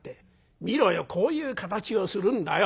見ろよこういう形をするんだよ！」。